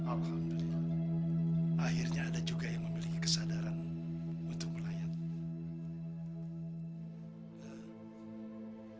alhamdulillah akhirnya ada juga yang memiliki kesadaran untuk rakyat